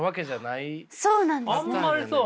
あんまりそう。